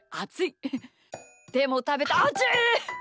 でもたべてあちぃ！